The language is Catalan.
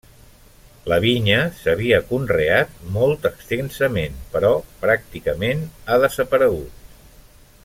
La vinya s'havia conreat molt extensament, però pràcticament ha desaparegut.